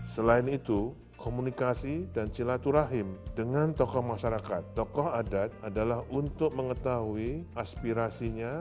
selain itu komunikasi dan silaturahim dengan tokoh masyarakat tokoh adat adalah untuk mengetahui aspirasinya